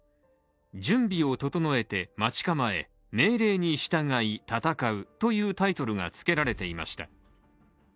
準備を整えて待ち構え命令に従い戦うというタイトルがつけられていました。